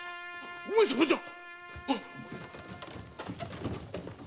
上様じゃ！